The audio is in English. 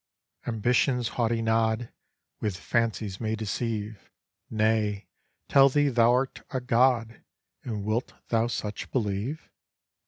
Ambition's haughty nod, With fancies may deceive, Nay, tell thee thou'rt a god,— And wilt thou such believe?